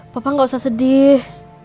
papa nggak usah sedih